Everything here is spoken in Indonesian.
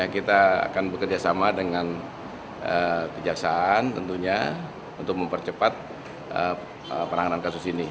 kita akan bekerjasama dengan kejaksaan tentunya untuk mempercepat penanganan kasus ini